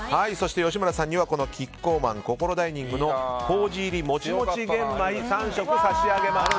吉村さんにはキッコーマンこころダイニングの糀入りもちもち玄米３食差し上げます。